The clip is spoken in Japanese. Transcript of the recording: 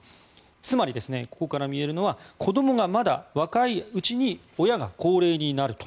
つまりここから見えるのは子どもがまだ若いうちに親が高齢になると。